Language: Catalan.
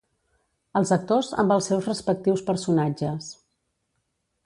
Els actors amb els seus respectius personatges.